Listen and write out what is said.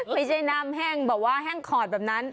ไม่ใช่น้ำแห้งแบบว่าแห้งขอดแบบนั้น